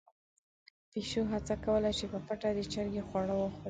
پيشو هڅه کوله چې په پټه د چرګې خواړه وخوري.